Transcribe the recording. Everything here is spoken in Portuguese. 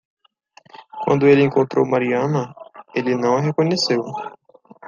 Quando ele encontrou Mariana ele não a reconheceu.